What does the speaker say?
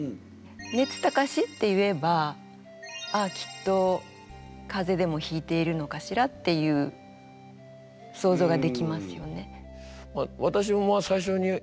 「熱高し」っていえば「ああきっと風邪でもひいているのかしら？」っていう想像ができますよね。